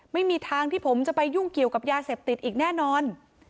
ไม่มีทางที่ผมจะไปยุ่งเกี่ยวกับยาเสพติดอีกแน่นอน